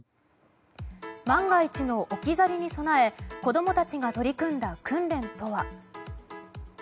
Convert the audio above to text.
万が一の置き去りに備え子供たちが取り組んだ訓練とは。